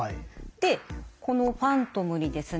でこのファントムにですね